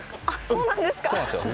そうなんですよ。